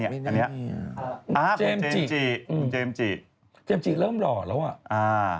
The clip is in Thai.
มากกี้ป๊อบเห็นไหมฮะ